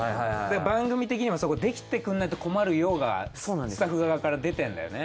番組にはそこはできてくれないと困るよがスタッフ側から出てるんだよね。